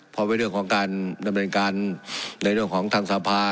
พอเป็นเรื่องของการดำเนินการในเรื่องของทางสภา